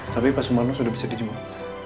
tapi pak sumanus sudah bisa dijemuk